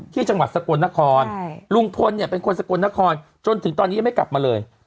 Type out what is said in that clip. จังหวัดสกลนครลุงพลเนี่ยเป็นคนสกลนครจนถึงตอนนี้ยังไม่กลับมาเลย